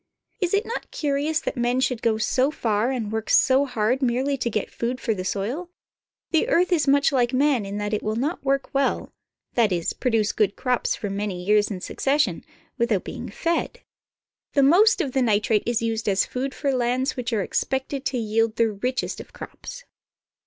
Is it not curious that men should go so far and work so hard merely to get food for the soil? The earth is much Hke man in that it will not work well — that is, produce good crops for many years in succession— without "'^^^'^'^^^^"^ explosion." being fed. The most of the nitrate is used as food for lands which are expected to yield the richest of crops.